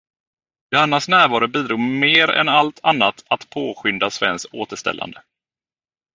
Johannas närvaro bidrog mer än allt annat att påskynda Svens återställande.